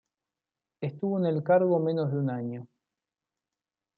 Estuvo en el cargo menos de un año.